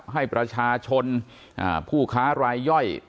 ให้ประชาชนผู้ค้ารายย่อย